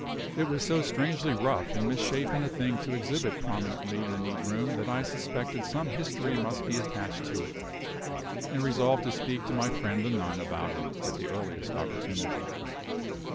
It was so strangely rough and misshapen a thing to exhibit prominently in a neat room, that I suspected some history must be attached to it, and resolved to speak to my friend the nun about it at the earliest opportunity.